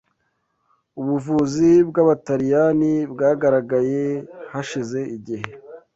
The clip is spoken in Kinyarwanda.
Ubuvuzi bwabataliyani bwagaragaye hashize igihe